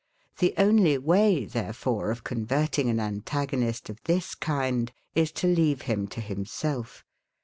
The only way, therefore, of converting an antagonist of this kind, is to leave him to himself.